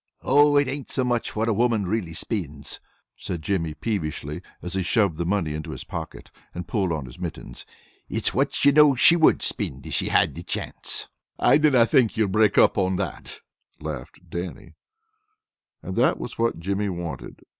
"Oh, it ain't so much what a woman really spinds," said Jimmy, peevishly, as he shoved the money into his pocket, and pulled on his mittens. "It's what you know she would spind if she had the chance." "I dinna think ye'll break up on that," laughed Dannie. And that was what Jimmy wanted.